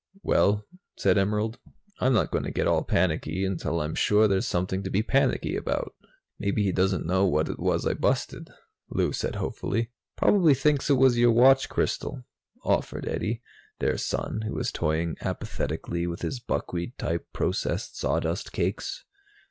"Well," said Emerald, "I'm not going to get all panicky until I'm sure there's something to be panicky about." "Maybe he doesn't know what it was I busted," Lou said hopefully. "Probably thinks it was your watch crystal," offered Eddie, their son, who was toying apathetically with his buckwheat type processed sawdust cakes.